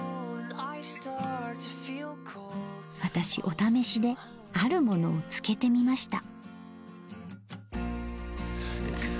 私「お試し」であるものを漬けてみました。